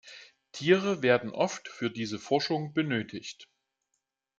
Tiere werden oft für diese Forschung benötigt.